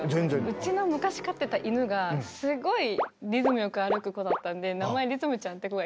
うちの昔飼ってた犬がすごいリズムよく歩く子だったんで名前リズムちゃんって子がいました。